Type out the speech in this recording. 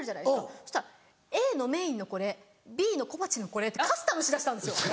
そしたら「ＡのメインのこれＢの小鉢のこれ」ってカスタムしだしたんですよ